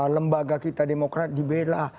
lembaga kita demokrat dibela